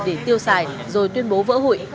để tiêu xài rồi tuyên bố vỡ hụi